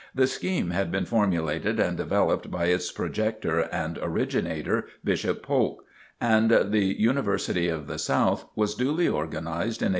The scheme had been formulated and developed by its projector and originator, Bishop Polk; and "The University of the South" was duly organized in 1857.